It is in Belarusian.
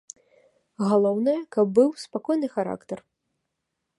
Галоўнае, каб быў спакойны характар.